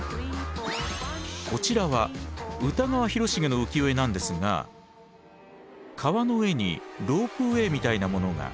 こちらは歌川広重の浮世絵なんですが川の上にロープウエーみたいなものが。